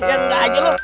ya enggak aja lo